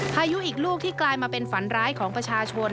พายุอีกลูกที่กลายมาเป็นฝันร้ายของประชาชน